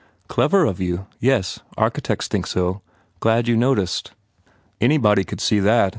"Clever of you. Yes, architects think so. Glad you noticed." "Anybody could see that.